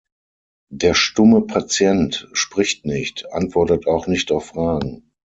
Der stumme Patient spricht nicht, antwortet auch nicht auf Fragen.